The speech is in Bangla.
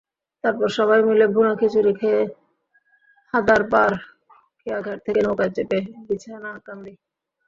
তারপর সবাই মিলে ভুনা খিচুড়ি খেয়ে হাদারপার খেয়াঘাট থেকে নৌকায় চেপে বিছনাকান্দি।